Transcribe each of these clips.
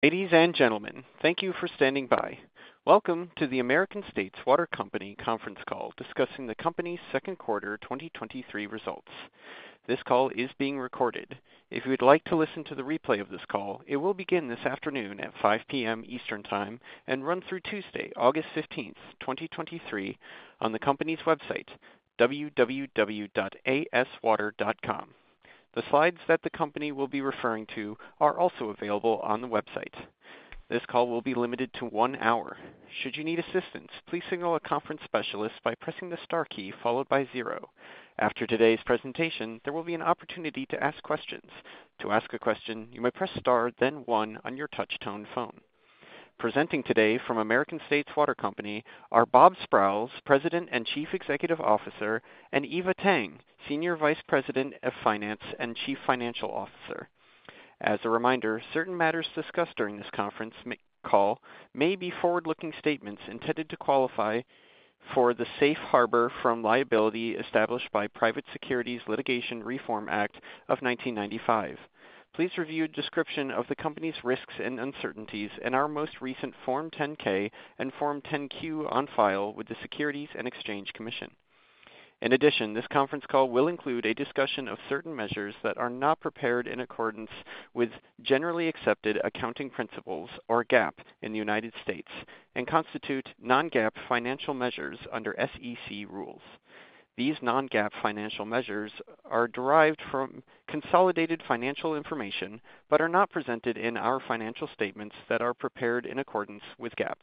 Ladies and gentlemen, thank you for standing by. Welcome to the American States Water Company conference call discussing the company's second quarter 2023 results. This call is being recorded. If you would like to listen to the replay of this call, it will begin this afternoon at 5:00 P.M. Eastern Time and run through Tuesday, August 15th, 2023, on the company's website, www.aswater.com. The slides that the company will be referring to are also available on the website. This call will be limited to one hour. Should you need assistance, please signal a conference specialist by pressing the star key followed by zero. After today's presentation, there will be an opportunity to ask questions. To ask a question, you may press star, then one on your touchtone phone. Presenting today from American States Water Company are Bob Sprowls, President and Chief Executive Officer, and Eva Tang, Senior Vice President of Finance and Chief Financial Officer. As a reminder, certain matters discussed during this conference call may be forward-looking statements intended to qualify for the safe harbor from liability established by Private Securities Litigation Reform Act of 1995. Please review a description of the company's risks and uncertainties in our most recent Form 10-K and Form 10-Q on file with the Securities and Exchange Commission. In addition, this conference call will include a discussion of certain measures that are not prepared in accordance with generally accepted accounting principles, or GAAP, in the United States and constitute non-GAAP financial measures under SEC rules. These non-GAAP financial measures are derived from consolidated financial information, but are not presented in our financial statements that are prepared in accordance with GAAP.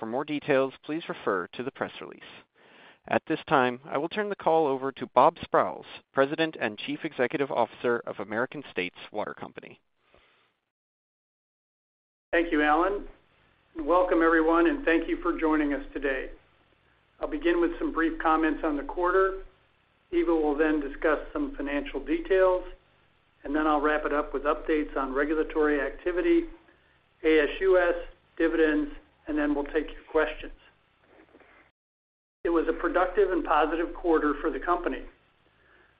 For more details, please refer to the press release. At this time, I will turn the call over to Bob Sprowls, President and Chief Executive Officer of American States Water Company. Thank you, Alan, and welcome, everyone, and thank you for joining us today. I'll begin with some brief comments on the quarter. Eva will then discuss some financial details, and then I'll wrap it up with updates on regulatory activity, ASUS, dividends, and then we'll take your questions. It was a productive and positive quarter for the company.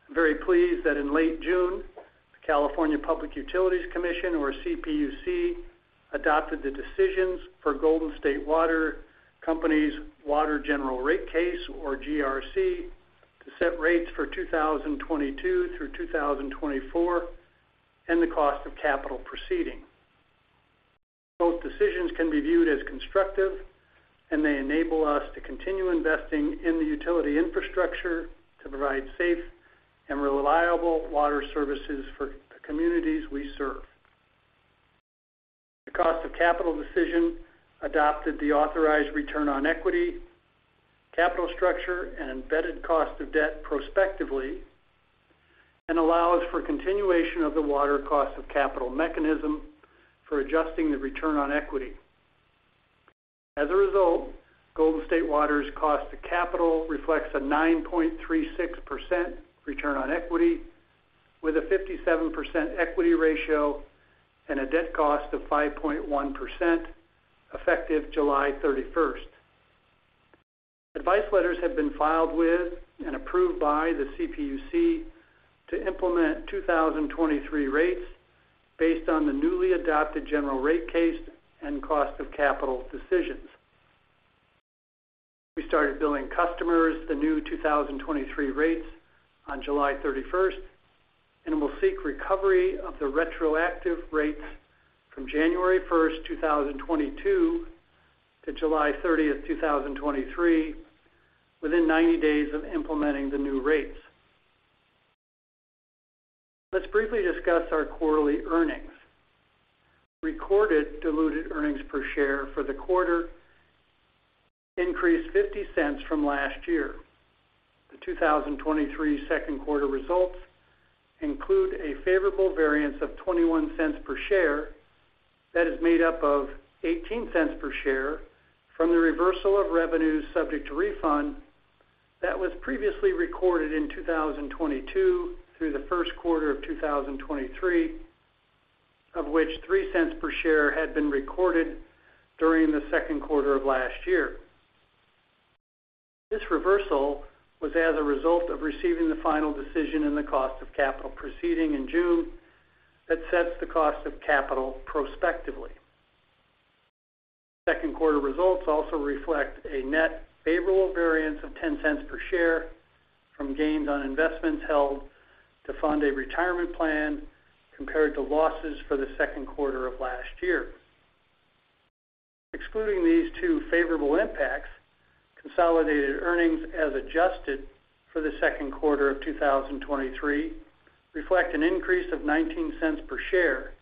I'm very pleased that in late June, the California Public Utilities Commission, or CPUC, adopted the decisions for Golden State Water Company's Water General Rate Case, or GRC, to set rates for 2022 through 2024 and the cost of capital proceeding. Both decisions can be viewed as constructive, and they enable us to continue investing in the utility infrastructure to provide safe and reliable water services for the communities we serve. The cost of capital decision adopted the authorized return on equity, capital structure, and embedded cost of debt prospectively and allows for continuation of the Water Cost of Capital Mechanism for adjusting the return on equity. As a result, Golden State Water's cost to capital reflects a 9.36% return on equity, with a 57% equity ratio and a debt cost of 5.1%, effective July 31st. Advice letters have been filed with and approved by the CPUC to implement 2023 rates based on the newly adopted General Rate Case and cost of capital decisions. We started billing customers the new 2023 rates on July 31st, and we'll seek recovery of the retroactive rates from January 1st, 2022 to July 30th, 2023, within 90 days of implementing the new rates. Let's briefly discuss our quarterly earnings. Recorded diluted earnings per share for the quarter increased $0.50 from last year. The 2023 second quarter results include a favorable variance of $0.21 per share that is made up of $0.18 per share from the reversal of revenues subject to refund that was previously recorded in 2022 through the first quarter of 2023, of which $0.03 per share had been recorded during the second quarter of last year. This reversal was as a result of receiving the final decision in the cost of capital proceeding in June that sets the cost of capital prospectively. Second quarter results also reflect a net favorable variance of $0.10 per share from gains on investments held to fund a retirement plan, compared to losses for the second quarter of last year. Excluding these two favorable impacts, consolidated earnings as adjusted for the second quarter of 2023 reflect an increase of $0.19 per share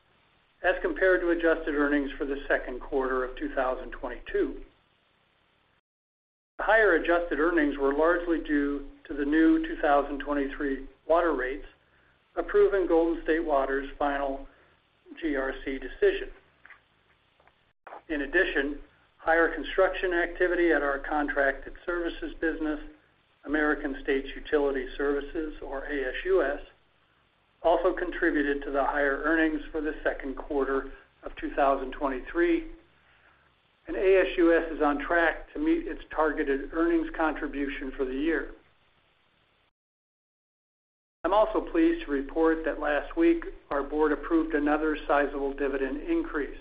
as compared to adjusted earnings for the second quarter of 2022. The higher adjusted earnings were largely due to the new 2023 water rates approved in Golden State Water's final GRC decision. In addition, higher construction activity at our contracted services business, American States Utility Services, or ASUS, also contributed to the higher earnings for the second quarter of 2023, and ASUS is on track to meet its targeted earnings contribution for the year. I'm also pleased to report that last week, our board approved another sizable dividend increase.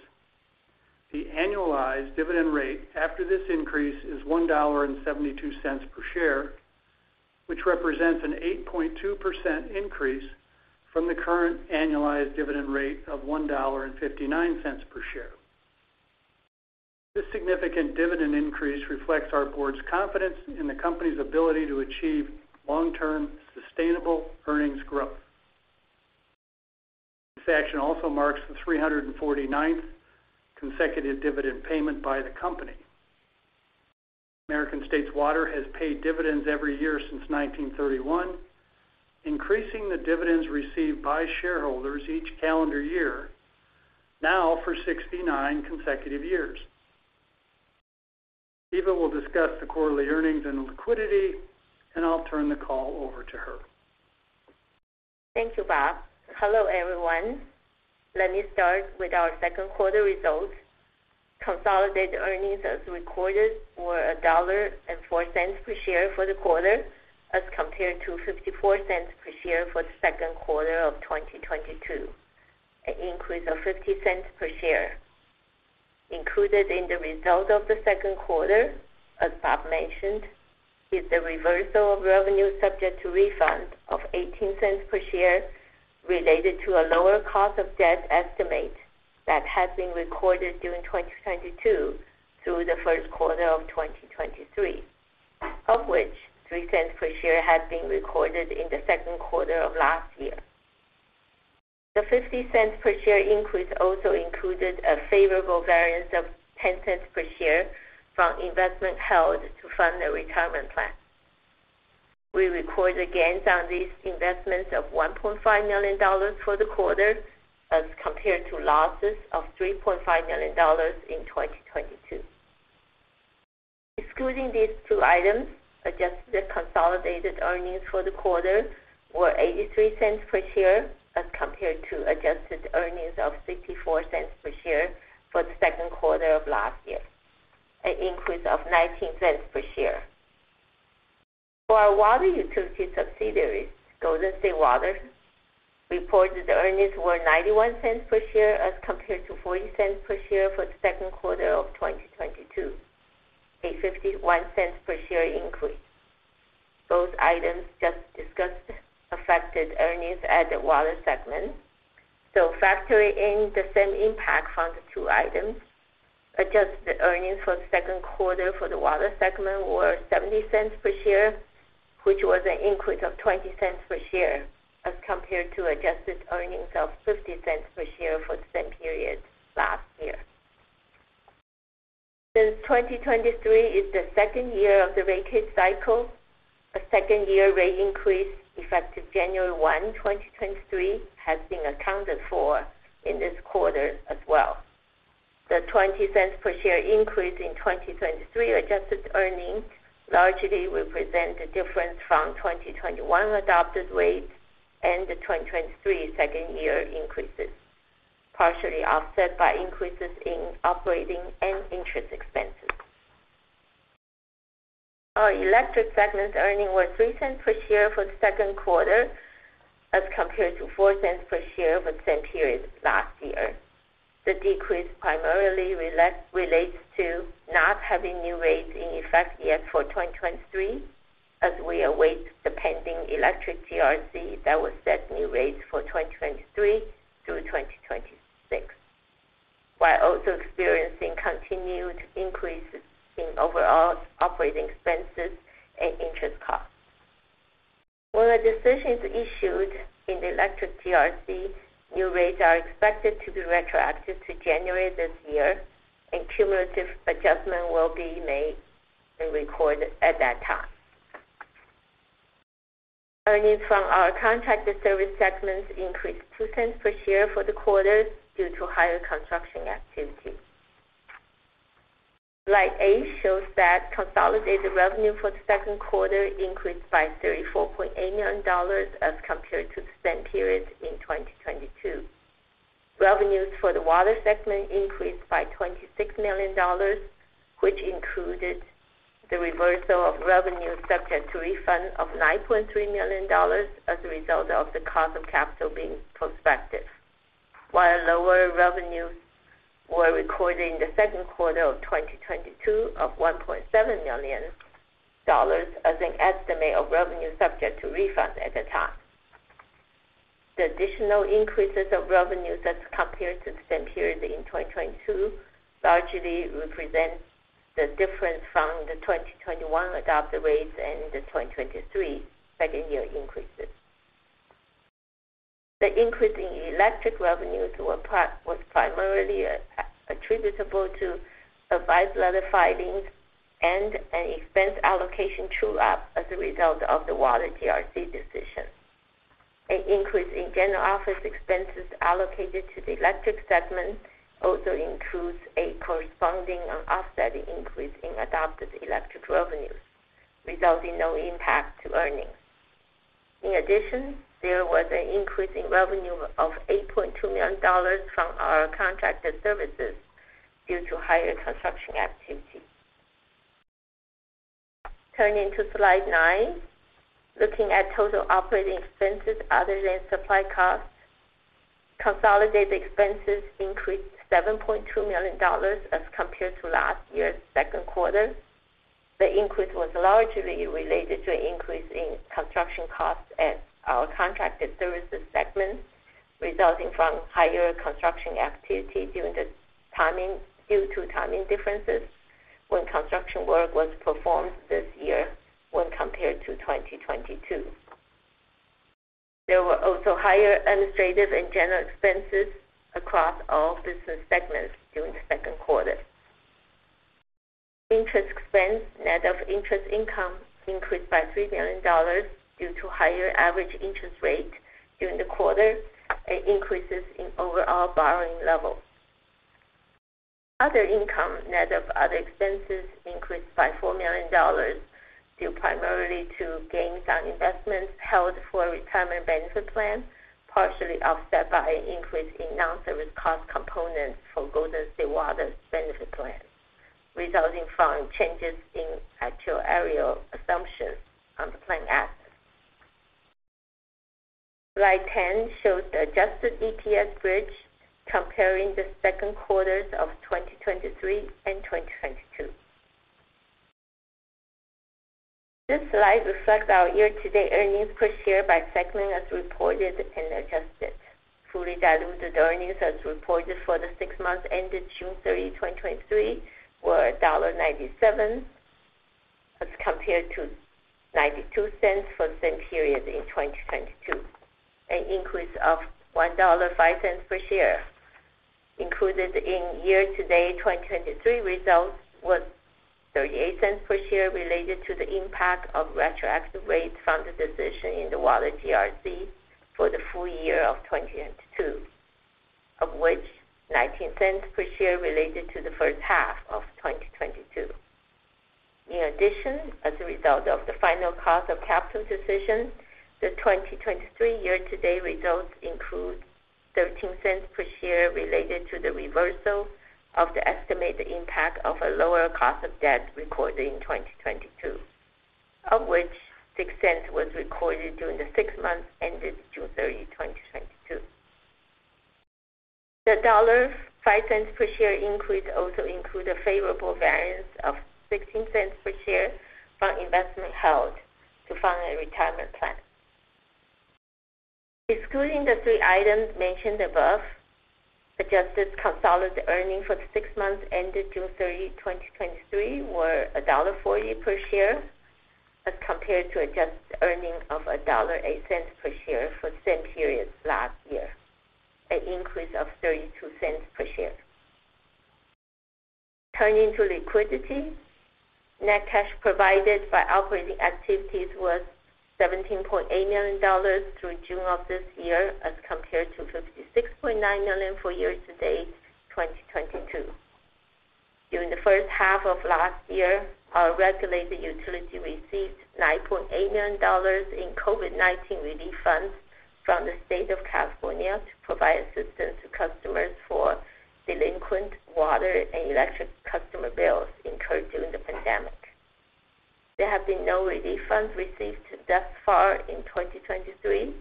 The annualized dividend rate after this increase is $1.72 per share, which represents an 8.2% increase from the current annualized dividend rate of $1.59 per share. This significant dividend increase reflects our board's confidence in the company's ability to achieve long-term, sustainable earnings growth. This action also marks the 349th consecutive dividend payment by the company. American States Water has paid dividends every year since 1931, increasing the dividends received by shareholders each calendar year, now for 69 consecutive years. Eva will discuss the quarterly earnings and liquidity, and I'll turn the call over to her. Thank you, Bob. Hello, everyone. Let me start with our second quarter results. Consolidated earnings as recorded were $1.04 per share for the quarter, as compared to $0.54 per share for the second quarter of 2022, an increase of $0.50 per share. Included in the results of the second quarter, as Bob mentioned, is the reversal of revenue subject to refunds of $0.18 per share related to a lower cost of debt estimate that has been recorded during 2022 through the first quarter of 2023, of which $0.03 per share has been recorded in the second quarter of last year. The $0.50 per share increase also included a favorable variance of $0.10 per share from investment held to fund the retirement plan. We record the gains on these investments of $1.5 million for the quarter, as compared to losses of $3.5 million in 2022. Excluding these two items, adjusted consolidated earnings for the quarter were $0.83 per share, as compared to adjusted earnings of $0.64 per share for the second quarter of last year, an increase of $0.19 per share. For our water utility subsidiaries, Golden State Water reported earnings were $0.91 per share, as compared to $0.40 per share for the second quarter of 2022, a $0.51 per share increase. Those items just discussed affected earnings at the water segment, so factoring in the same impact from the two items, adjusted earnings for the second quarter for the water segment were $0.70 per share, which was an increase of $0.20 per share, as compared to adjusted earnings of $0.50 per share for the same period last year. Since 2023 is the second year of the rate case cycle, a second-year rate increase effective January 1, 2023, has been accounted for in this quarter as well. The $0.20 per share increase in 2023 adjusted earnings largely represent the difference from 2021 adopted rates and the 2023 second-year increases, partially offset by increases in operating and interest expenses. Our electric segment earnings were $0.03 per share for the second quarter, as compared to $0.04 per share for the same period last year. The decrease primarily relates to not having new rates in effect yet for 2023, as we await the pending Electric GRC that will set new rates for 2023 through 2026, while also experiencing continued increases in overall operating expenses and interest costs. When a decision is issued in the Electric GRC, new rates are expected to be retroactive to January this year, and cumulative adjustments will be made and recorded at that time. Earnings from our contracted service segments increased $0.02 per share for the quarter due to higher construction activity. Slide 8 shows that consolidated revenue for the second quarter increased by $34.8 million as compared to the same period in 2022. Revenues for the water segment increased by $26 million, which included the reversal of revenue subject to refund of $9.3 million as a result of the cost of capital being prospective, while lower revenues were recorded in the 2Q 2022 of $1.7 million as an estimate of revenue subject to refund at the time. The additional increases of revenue as compared to the same period in 2022 largely represent the difference from the 2021 adopted rates and the 2023 second-year increases. The increase in electric revenues was primarily attributable to advice letter filings and an expense allocation true-up as a result of the water GRC decision. An increase in general office expenses allocated to the electric segment also includes a corresponding and offsetting increase in adopted electric revenues, resulting no impact to earnings. In addition, there was an increase in revenue of $8.2 million from our contracted services due to higher construction activity. Turning to Slide 9. Looking at total operating expenses other than supply costs, consolidated expenses increased $7.2 million as compared to last year's second quarter. The increase was largely related to an increase in construction costs at our contracted services segment, resulting from higher construction activity due to timing differences when construction work was performed this year when compared to 2022. There were also higher administrative and general expenses across all business segments during the second quarter. Interest expense, net of interest income, increased by $3 million due to higher average interest rate during the quarter and increases in overall borrowing levels. Other income, net of other expenses, increased by $4 million, due primarily to gains on investments held for retirement benefit plan, partially offset by an increase in non-service cost component for Golden State Water's benefit plan, resulting from changes in actuarial assumptions on the plan assets. Slide 10 shows the adjusted EPS bridge comparing the second quarters of 2023 and 2022. This slide reflects our year-to-date earnings per share by segment, as reported and adjusted. Fully diluted earnings as reported for the six months ended June 30, 2023, were $1.97, as compared to $0.92 for the same period in 2022, an increase of $1.05 per share. Included in year-to-date 2023 results was $0.38 per share related to the impact of retroactive rates from the decision in the Water GRC for the full year of 2022, of which $0.19 per share related to the first half of 2022. In addition, as a result of the final cost of capital decision, the 2023 year-to-date results include $0.13 per share related to the reversal of the estimated impact of a lower cost of debt recorded in 2022, of which $0.06 was recorded during the 6 months ended June 30, 2022. The $1.05 per share increase also include a favorable variance of $0.16 per share from investment held to fund our retirement plan. Excluding the three items mentioned above, adjusted consolidated earnings for the six months ended June 30, 2023, were $1.40 per share, as compared to adjusted earnings of $1.08 per share for the same period last year, an increase of $0.32 per share. Turning to liquidity, net cash provided by operating activities was $17.8 million through June of this year, as compared to $56.9 million for year-to-date 2022. During the first half of last year, our regulated utility received $9.8 million in COVID-19 relief funds from the state of California to provide assistance to customers for delinquent water and electric customer bills incurred during the pandemic. There have been no relief funds received thus far in 2023.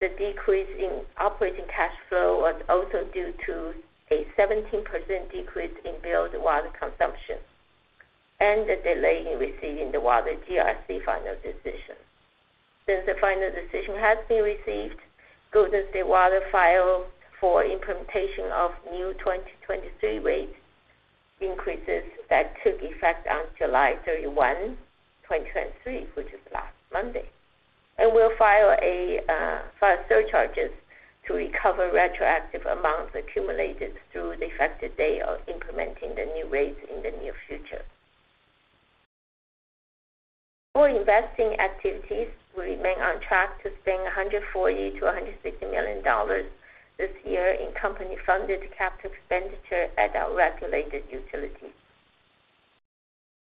The decrease in operating cash flow was also due to a 17% decrease in billed water consumption and the delay in receiving the Water TRC final decision. Since the final decision has been received, Golden State Water filed for implementation of new 2023 rate increases that took effect on July 31, 2023, which is last Monday, and will file a file surcharges to recover retroactive amounts accumulated through the effective date of implementing the new rates in the near future. For investing activities, we remain on track to spend $140 million-$160 million this year in company-funded capital expenditure at our regulated utility.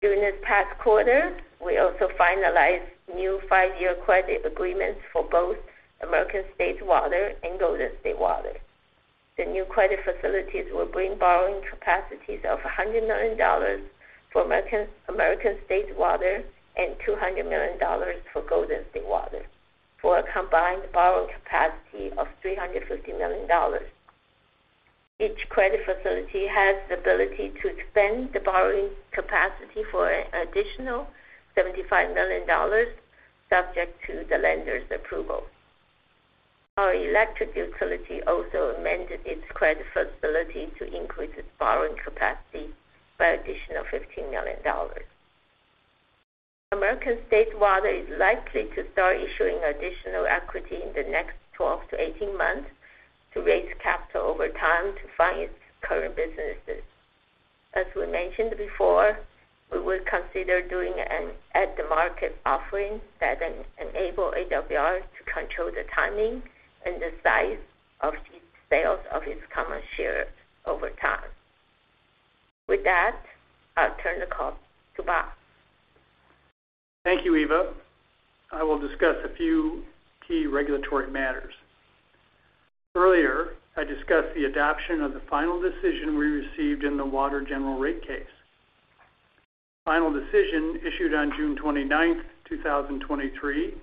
During this past quarter, we also finalized new five-year credit agreements for both American States Water and Golden State Water. The new credit facilities will bring borrowing capacities of $100 million for American States Water and $200 million for Golden State Water, for a combined borrowing capacity of $350 million. Each credit facility has the ability to expand the borrowing capacity for an additional $75 million, subject to the lender's approval. Our electric utility also amended its credit facility to increase its borrowing capacity by an additional $15 million. American States Water is likely to start issuing additional equity in the next 12 to 18 months to raise capital over time to fund its current businesses. As we mentioned before, we will consider doing an at-the-market offering that enable AWR to control the timing and the size of its sales of its common shares over time. With that, I'll turn the call to Bob. Thank you, Eva. I will discuss a few key regulatory matters. Earlier, I discussed the adoption of the final decision we received in the water general rate case. The final decision, issued on June 29, 2023,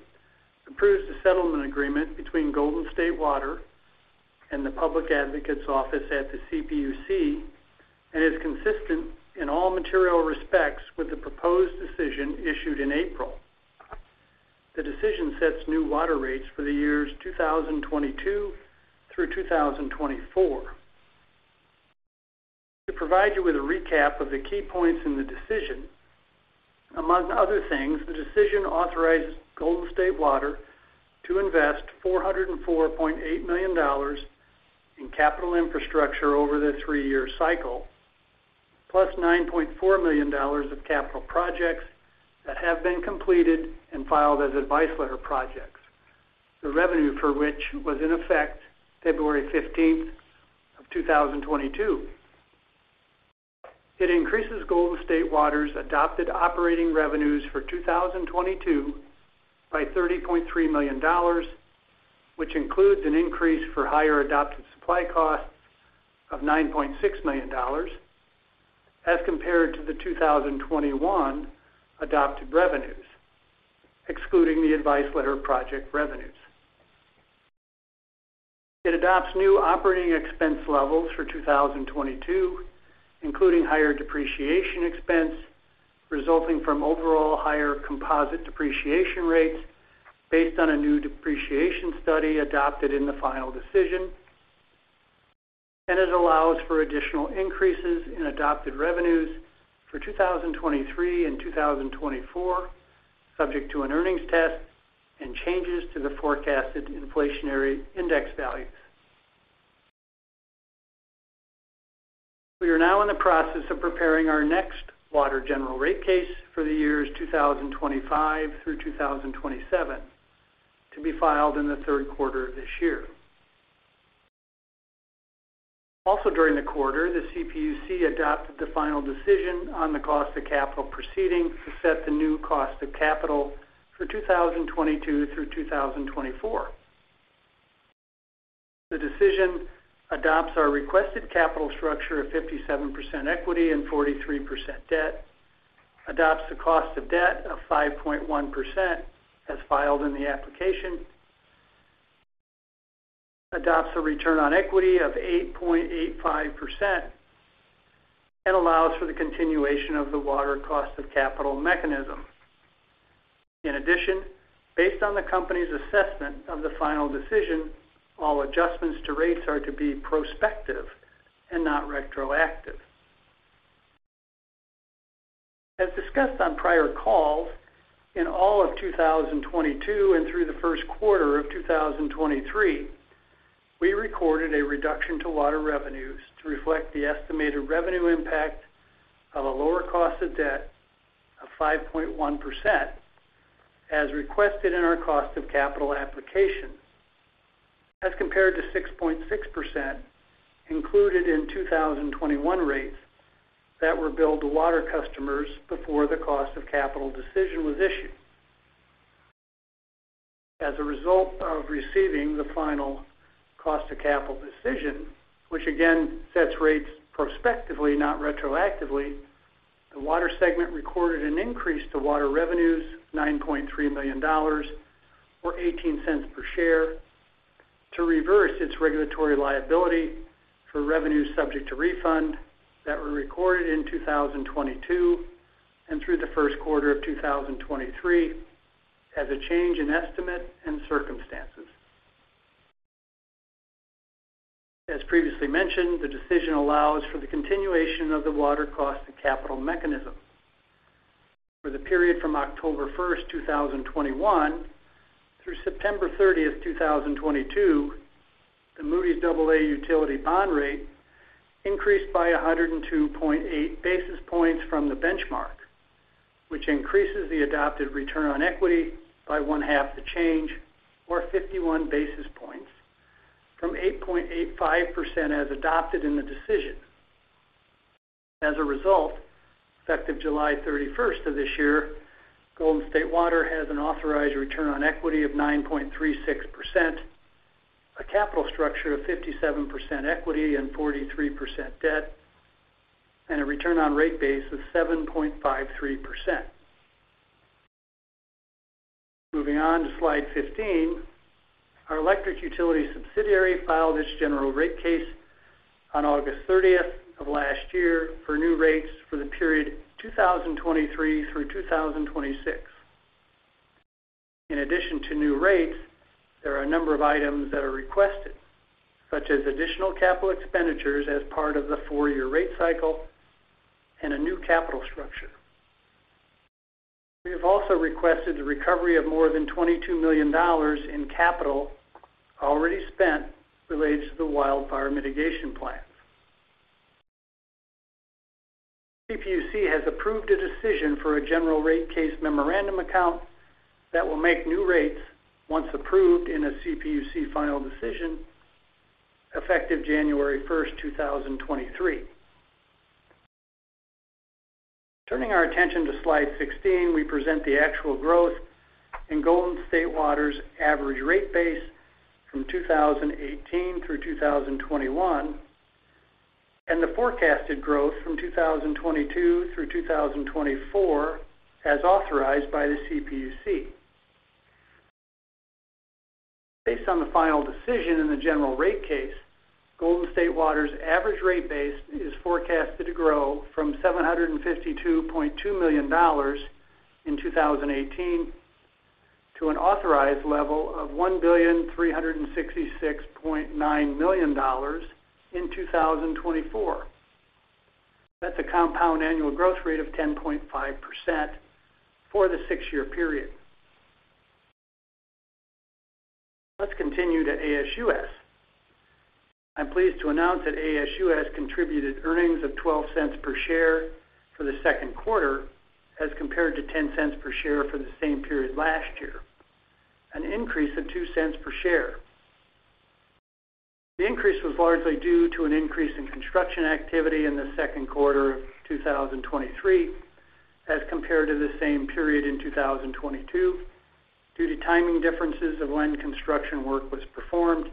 approves the settlement agreement between Golden State Water and the Public Advocates Office at the CPUC, and is consistent in all material respects with the proposed decision issued in April. The decision sets new water rates for the years 2022 through 2024. To provide you with a recap of the key points in the decision, among other things, the decision authorizes Golden State Water to invest $404.8 million in capital infrastructure over the three-year cycle, plus $9.4 million of capital projects that have been completed and filed as advice letter projects, the revenue for which was in effect February 15, 2022. It increases Golden State Water's adopted operating revenues for 2022 by $30.3 million, which includes an increase for higher adopted supply costs of $9.6 million as compared to the 2021 adopted revenues, excluding the advice letter project revenues. It adopts new operating expense levels for 2022, including higher depreciation expense, resulting from overall higher composite depreciation rates based on a new depreciation study adopted in the final decision. It allows for additional increases in adopted revenues for 2023 and 2024, subject to an earnings test and changes to the forecasted inflationary index values. We are now in the process of preparing our next Water General Rate Case for the years 2025 through 2027, to be filed in the third quarter of this year. Also during the quarter, the CPUC adopted the final decision on the cost of capital proceeding to set the new cost of capital for 2022 through 2024. The decision adopts our requested capital structure of 57% equity and 43% debt, adopts the cost of debt of 5.1%, as filed in the application, adopts a return on equity of 8.85%, and allows for the continuation of the Water Cost of Capital Mechanism. In addition, based on the company's assessment of the final decision, all adjustments to rates are to be prospective and not retroactive. As discussed on prior calls, in all of 2022 and through the 1st quarter of 2023, we recorded a reduction to water revenues to reflect the estimated revenue impact of a lower cost of debt of 5.1%, as requested in our cost of capital application, as compared to 6.6% included in 2021 rates that were billed to water customers before the cost of capital decision was issued. As a result of receiving the final cost of capital decision, which again sets rates prospectively, not retroactively, the water segment recorded an increase to water revenues, $9.3 million or $0.18 per share, to reverse its regulatory liability for revenues subject to refund that were recorded in 2022 and through the first quarter of 2023 as a change in estimate and circumstances. As previously mentioned, the decision allows for the continuation of the Water Cost of Capital Mechanism. For the period from October 1, 2021 through September 30, 2022, the Moody's Aa utility bond rate increased by 102.8 basis points from the benchmark, which increases the adopted return on equity by one-half the change, or 51 basis points, from 8.85% as adopted in the decision. As a result, effective July 31st of this year, Golden State Water has an authorized return on equity of 9.36%, a capital structure of 57% equity and 43% debt, and a return on rate base of 7.53%. Moving on to Slide 15. Our electric utility subsidiary filed its General Rate Case on August 30th of last year for new rates for the period 2023-2026. In addition to new rates, there are a number of items that are requested, such as additional capital expenditures as part of the 4-year rate cycle and a new capital structure. We have also requested the recovery of more than $22 million in capital already spent related to the Wildfire Mitigation Plan. CPUC has approved a decision for a General Rate Case Memorandum Account that will make new rates, once approved in a CPUC final decision, effective January 1st, 2023. Turning our attention to Slide 16, we present the actual growth in Golden State Water's average rate base from 2018 through 2021, and the forecasted growth from 2022 through 2024, as authorized by the CPUC. Based on the final decision in the General Rate Case, Golden State Water's average rate base is forecasted to grow from $752.2 million in 2018 to an authorized level of $1,366.9 million in 2024. That's a compound annual growth rate of 10.5% for the six-year period. Let's continue to ASUS. I'm pleased to announce that ASUS contributed earnings of $0.12 per share for the second quarter, as compared to $0.10 per share for the same period last year, an increase of $0.02 per share. The increase was largely due to an increase in construction activity in the second quarter of 2023, as compared to the same period in 2022, due to timing differences of when construction work was performed.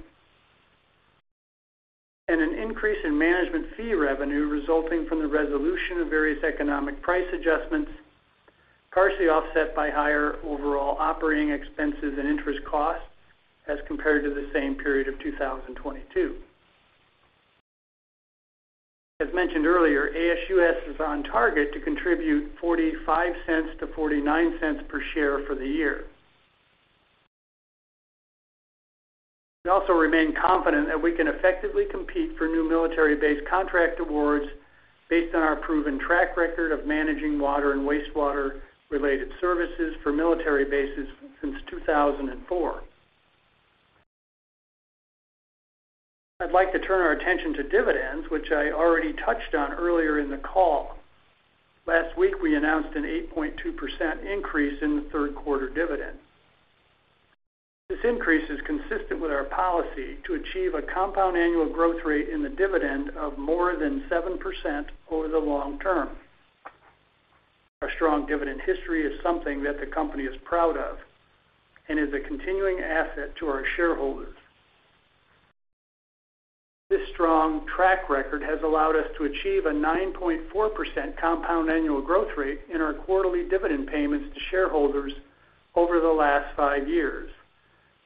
An increase in management fee revenue resulting from the resolution of various economic price adjustments, partially offset by higher overall operating expenses and interest costs as compared to the same period of 2022. As mentioned earlier, ASUS is on target to contribute $0.45-$0.49 per share for the year. We also remain confident that we can effectively compete for new military base contract awards based on our proven track record of managing water and wastewater-related services for military bases since 2004. I'd like to turn our attention to dividends, which I already touched on earlier in the call. Last week, we announced an 8.2% increase in the third quarter dividend. This increase is consistent with our policy to achieve a compound annual growth rate in the dividend of more than 7% over the long term. Our strong dividend history is something that the company is proud of and is a continuing asset to our shareholders. This strong track record has allowed us to achieve a 9.4% compound annual growth rate in our quarterly dividend payments to shareholders over the last 5 years,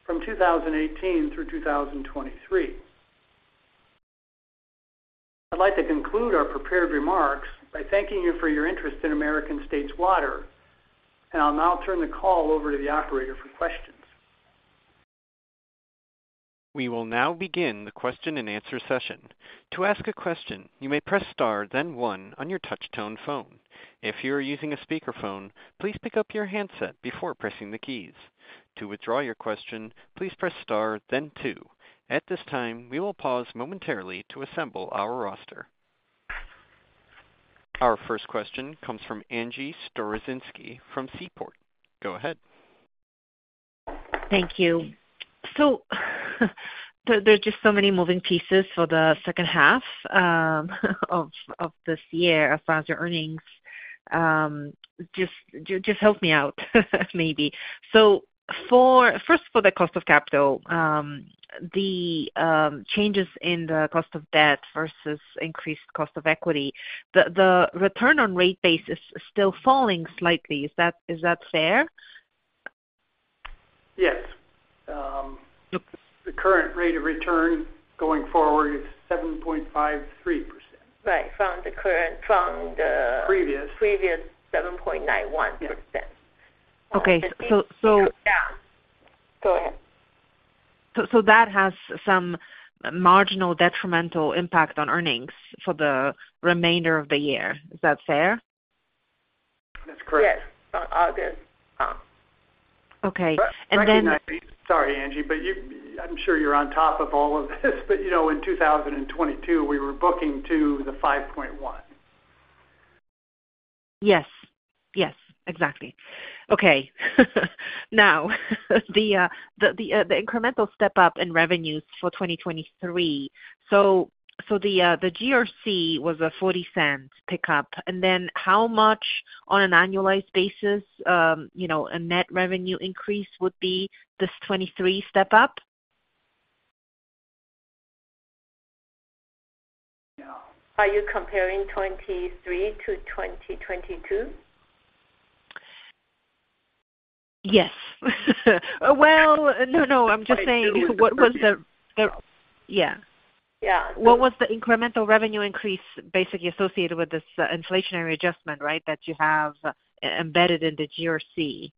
from 2018 through 2023. I'd like to conclude our prepared remarks by thanking you for your interest in American States Water, and I'll now turn the call over to the operator for questions. We will now begin the question-and-answer session. To ask a question, you may press Star, then 1 on your touch-tone phone. If you are using a speakerphone, please pick up your handset before pressing the keys. To withdraw your question, please press Star then 2. At this time, we will pause momentarily to assemble our roster. Our first question comes from Angie Storozynski from Seaport. Go ahead. Thank you. There are just so many moving pieces for the second half of this year as far as your earnings. Just help me out, maybe. First, for the cost of capital, the changes in the cost of debt versus increased cost of equity, the return on rate base is still falling slightly. Is that fair? Yes. The current rate of return going forward is 7.53%. Right. Previous. Previous 7.91%. Yes. Okay. Yeah. Go ahead. That has some marginal detrimental impact on earnings for the remainder of the year. Is that fair? That's correct. Yes. all good. Okay, then- Sorry, Angie, I'm sure you're on top of all of this. You know, in 2022, we were booking to the 5.1. Yes. Yes, exactly. Okay. Now, the incremental step up in revenues for 2023. The GRC was a $0.40 pickup, and then how much on an annualized basis, you know, a net revenue increase would be this 2023 step up? Yeah. Are you comparing 23 to 2022? Yes. Well, no, no, I'm just saying, what was the- Yeah. Yeah. Yeah. What was the incremental revenue increase basically associated with this inflationary adjustment, right, that you have embedded in the GRC?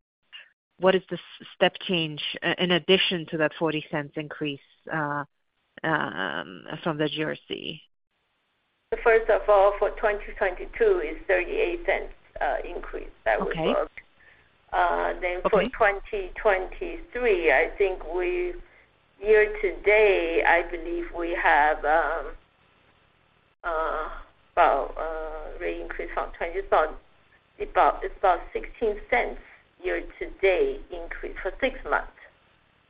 What is the step change in addition to that $0.40 increase from the GRC? First of all, for 2022 is $0.38, increase that we booked. Okay. Uh, then- Okay. For 2023, I think year to date, I believe we have rate increase from 20. It's about $0.16 year-to-date increase for 6 months.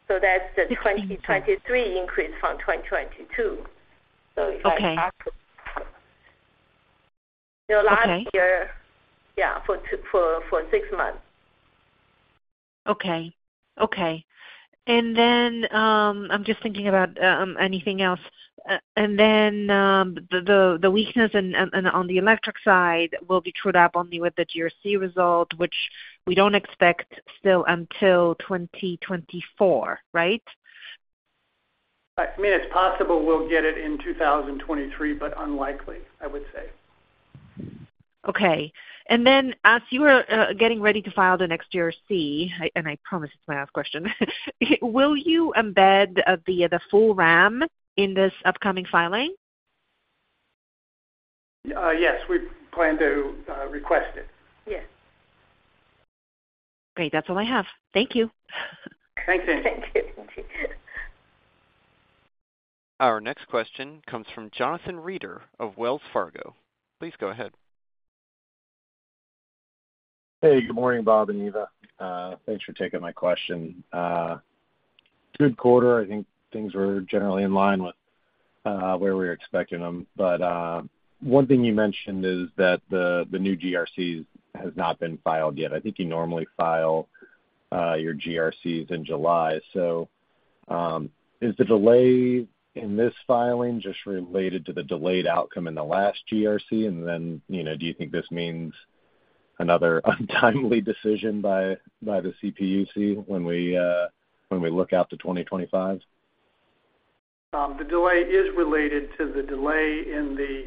That's the 2023 increase from 2022. Okay. You have to- Okay. The last year, yeah, for 6 months. Okay. Okay. I'm just thinking about anything else. The weakness and on the electric side will be trued up only with the GRC result, which we don't expect still until 2024, right? I mean, it's possible we'll get it in 2023, but unlikely, I would say. Okay. As you are getting ready to file the next GRC, and I promise it's my last question, will you embed the, the full RAM in this upcoming filing? Yes, we plan to request it. Yes. Great. That's all I have. Thank you. Thank you. Thank you. Our next question comes from Jonathan Reeder of Wells Fargo. Please go ahead. Hey, good morning, Bob and Eva. Thanks for taking my question. Good quarter. I think things were generally in line with where we were expecting them. One thing you mentioned is that the, the new GRCs has not been filed yet. I think you normally file your GRCs in July. Is the delay in this filing just related to the delayed outcome in the last GRC? You know, do you think this means another untimely decision by the CPUC when we look out to 2025? The delay is related to the delay in the,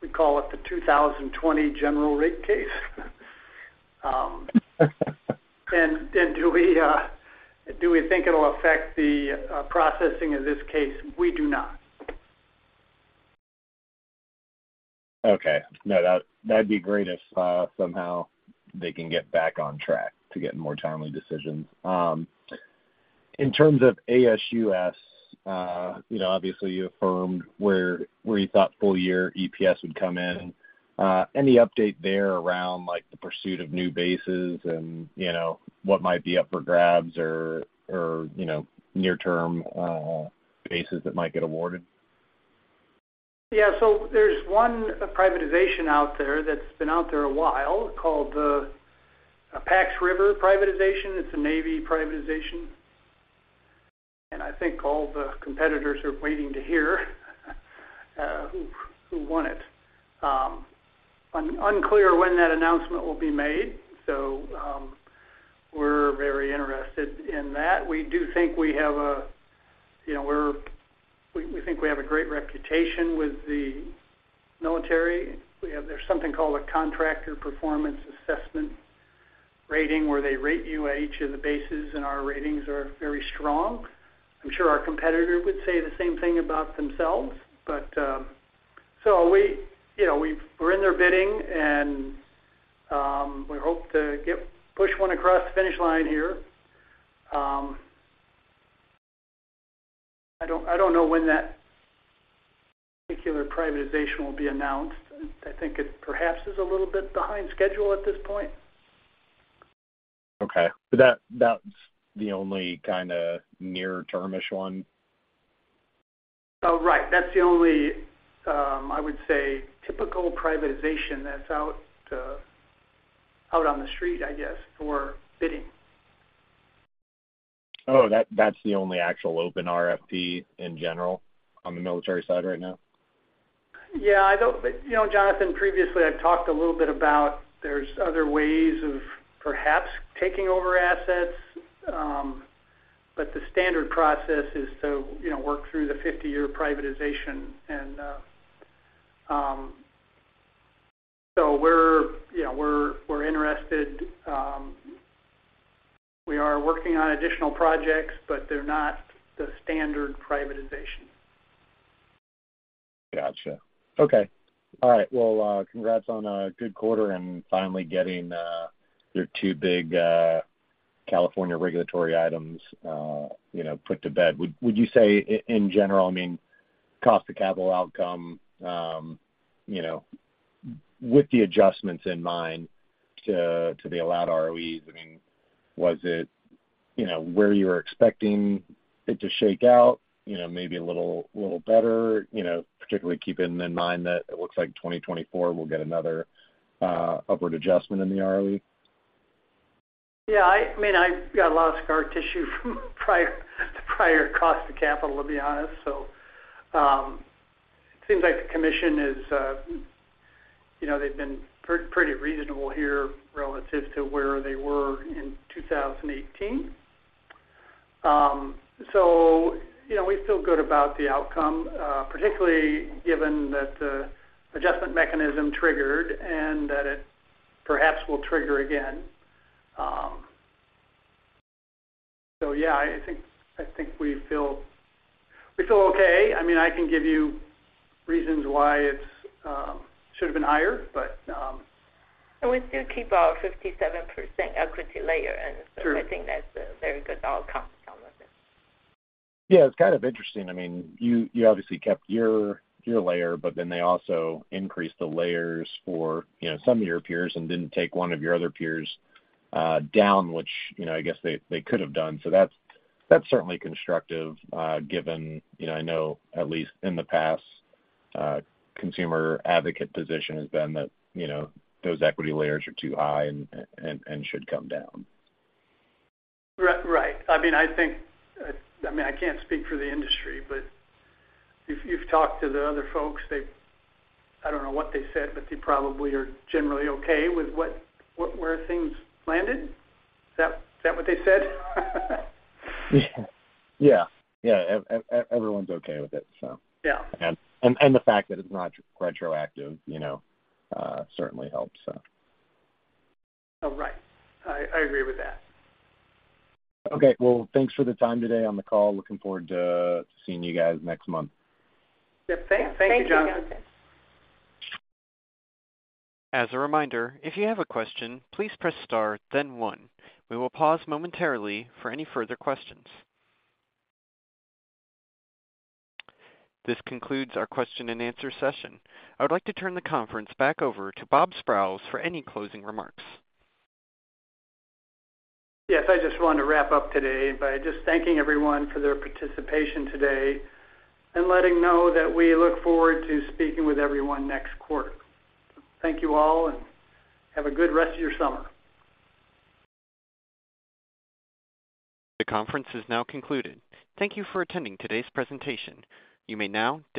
we call it the 2020 General Rate Case. Do we think it'll affect the processing of this case? We do not. Okay. No, that, that'd be great if somehow they can get back on track to get more timely decisions. In terms of ASUS, you know, obviously, you affirmed where, where you thought full year EPS would come in. Any update there around, like, the pursuit of new bases and, you know, what might be up for grabs or, or, you know, near-term bases that might get awarded? There's one privatization out there that's been out there a while, called the Pax River privatization. It's a Navy privatization, and I think all the competitors are waiting to hear who won it. Unclear when that announcement will be made, so we're very interested in that. We do think we have a, you know, we think we have a great reputation with the military. There's something called a Contractor Performance Assessment rating, where they rate you at each of the bases, and our ratings are very strong. I'm sure our competitor would say the same thing about themselves, but. We, you know, we're in there bidding, and we hope to get, push one across the finish line here. I don't know when that particular privatization will be announced. I think it perhaps is a little bit behind schedule at this point. Okay. That, that's the only kind of near-term-ish one? Right. That's the only, I would say, typical privatization that's out, out on the street, I guess, for bidding. Oh, that's the only actual open RFP in general, on the military side right now? Yeah, I don't-- You know, Jonathan, previously, I've talked a little bit about there's other ways of perhaps taking over assets. The standard process is to, you know, work through the 50-year privatization. We're, you know, we're, we're interested. We are working on additional projects, but they're not the standard privatization. Gotcha. Okay. All right. Well, congrats on a good quarter and finally getting your two big California regulatory items, you know, put to bed. Would you say in general, I mean, cost to capital outcome, you know, with the adjustments in mind to the allowed ROEs, I mean, was it, you know, where you were expecting it to shake out? You know, maybe a little, little better, you know, particularly keeping in mind that it looks like 2024 will get another upward adjustment in the ROE? Yeah, I mean, I've got a lot of scar tissue from prior, the prior cost to capital, to be honest. Seems like the Commission is, you know, they've been pretty reasonable here relative to where they were in 2018. You know, we feel good about the outcome, particularly given that the adjustment mechanism triggered and that it perhaps will trigger again. Yeah, I think we feel okay. I mean, I can give you reasons why it's should have been higher, but. We still keep our 57% equity layer. Sure I think that's a very good outcome from this. Yeah, it's kind of interesting. I mean, you, you obviously kept your, your layer, but then they also increased the layers for, you know, some of your peers and didn't take one of your other peers, down, which, you know, I guess they, they could have done. That's, that's certainly constructive, given, you know, I know at least in the past, consumer advocate position has been that, you know, those equity layers are too high and, and, and should come down. Right. I mean, I think, I mean, I can't speak for the industry, but if you've talked to the other folks, they've I don't know what they said, but they probably are generally okay with what where things landed. Is that, is that what they said? Yeah. Yeah, everyone's okay with it, so- Yeah. The fact that it's not retroactive, you know, certainly helps, so. Oh, right. I, I agree with that. Okay. Well, thanks for the time today on the call. Looking forward to seeing you guys next month. Yeah. Thank you, Jonathan. Thank you, Jonathan. As a reminder, if you have a question, please press star then one. We will pause momentarily for any further questions. This concludes our question and answer session. I would like to turn the conference back over to Bob Sprowls for any closing remarks. Yes, I just want to wrap up today by just thanking everyone for their participation today and letting know that we look forward to speaking with everyone next quarter. Thank you all, and have a good rest of your summer. The conference is now concluded. Thank you for attending today's presentation. You may now disconnect.